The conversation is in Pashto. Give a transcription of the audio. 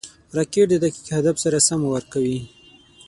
راکټ د دقیق هدف سره سم وار کوي